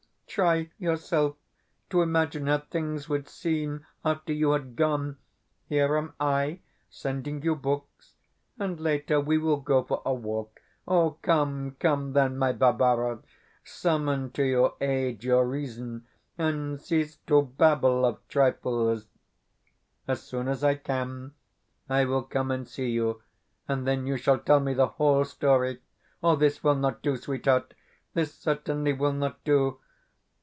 Try, yourself, to imagine how things would seem after you had gone. Here am I sending you books, and later we will go for a walk. Come, come, then, my Barbara! Summon to your aid your reason, and cease to babble of trifles. As soon as I can I will come and see you, and then you shall tell me the whole story. This will not do, sweetheart; this certainly will not do.